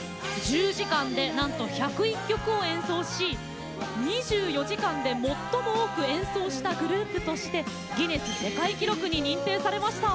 １０時間でなんと１０１曲を演奏し２４時間で最も多く演奏したグループとしてギネス世界記録に認定されました。